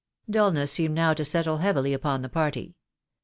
Dulness seemed now to settle heavily upon the party.